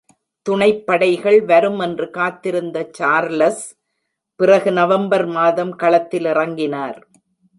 துணைப்படைகள் வரும் என்று காத்திருந்த சார்லஸ் பிறகு நவம்பர் மாதம் களத்தில் இறங்கினார்.